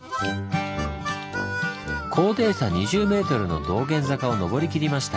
高低差２０ｍの道玄坂を上りきりました。